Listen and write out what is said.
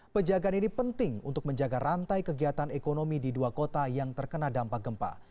pejagaan ini penting untuk menjaga rantai kegiatan ekonomi di dua kota yang terkena dampak gempa